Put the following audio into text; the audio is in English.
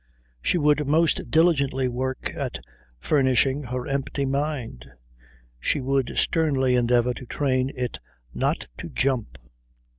She would most diligently work at furnishing her empty mind. She would sternly endeavour to train it not to jump.